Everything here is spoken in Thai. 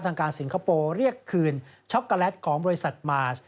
การสิงคโปร์เรียกคืนช็อกโกแลตของบริษัทมาส